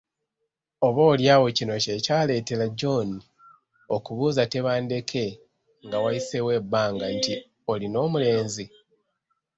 Oba oly’awo kino kye ky’aleetera John okubuuza Tebandeke nga wayiseewo ebbanga nti, “Olina omulenzi?''